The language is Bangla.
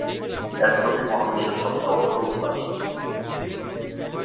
এনট্রপি মহাবিশ্বের সবচেয়ে অদ্ভুত রাশি।